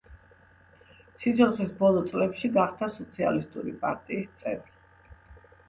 სიცოცხლის ბოლო წლებში გახდა სოციალისტური პარტიის წევრი.